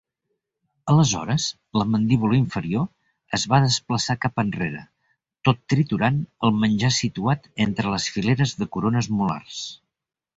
Aleshores, la mandíbula inferior es va desplaçar cap enrere, tot triturant el menjar situat entre les fileres de corones molars.